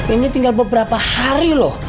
ini tinggal beberapa hari loh